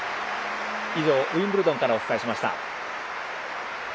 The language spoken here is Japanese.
以上、ウィンブルドンからお伝えしました。